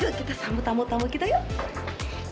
yuk kita sambut tamu tamu kita yuk